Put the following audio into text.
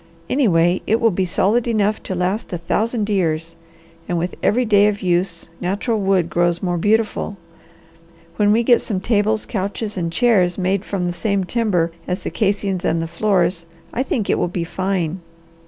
Anyway, it will be solid enough to last a thousand years, and with every day of use natural wood grows more beautiful. When we get some tables, couches, and chairs made from the same timber as the casings and the floors, I think it will be fine.